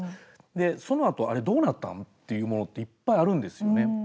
で、そのあと、あれどうなったん？っていうものっていっぱいあるんですよね。